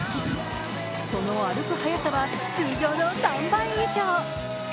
その歩く速さは通常の３倍以上。